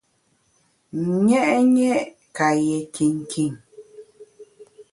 Nyé’nyé’ ka yé kinkin.